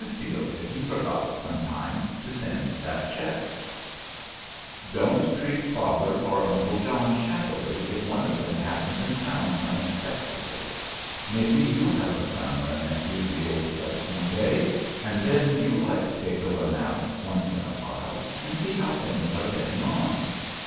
Think how you'd feel, if he forgot, sometimes, to send that check! [Sidenote: WHEN FATHER COMES TO TOWN] Don't treat Father or Uncle John shabbily if one of them happens in town unexpectedly. Maybe you'll have a son or a nephew in the old place one day; and then you'll like to take a run out, once in a while, and see how things are getting on.